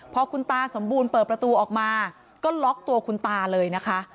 พอคุณตาสมบูรณ์เปิดประตูออกมาก็ล็อกตัวคุณตาเลยนะคะ